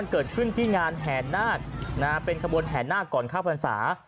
ขึ้นได้ที่งานแหนนาคเป็นคบวลแหนนาคก่อนข้าวฟังศา